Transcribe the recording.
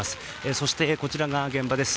そして、こちらが現場です。